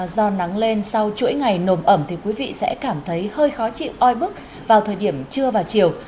do nắng lên sau chuỗi ngày nồm ẩm thì quý vị sẽ cảm thấy hơi khó chịu oi bức vào thời điểm trưa và chiều